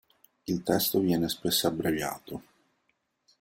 Il testo viene spesso abbreviato.